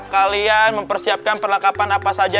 kalian mempersiapkan perlengkapan apa saja